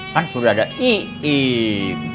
kan sudah ada iip